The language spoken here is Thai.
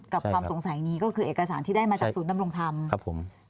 ความสงสัยนี้ก็คือเอกสารที่ได้มาจากศูนย์ดำรงธรรมครับผม